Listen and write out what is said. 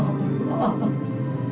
untuk aku juga